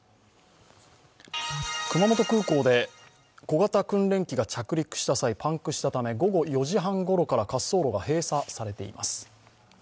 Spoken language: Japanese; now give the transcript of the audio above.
熊本空港で小型訓練機が着陸した際、パンクしたため、午後４時半ごろから滑走路が閉鎖されています。